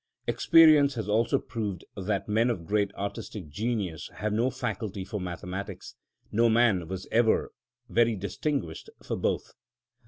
Experience has also proved that men of great artistic genius have no faculty for mathematics; no man was ever very distinguished for both.